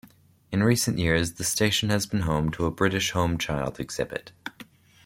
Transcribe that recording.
In recent years the station has been home to a British Home Child exhibit.